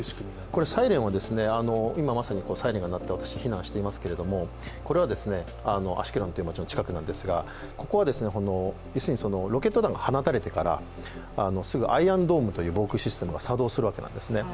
これサイレンを今まさにサイレンが鳴って私、避難してますけどこれはアシュケロンという街の近くなんですがロケット弾が放たれてからアイアンドームという防空システムが作動する訳なんですね。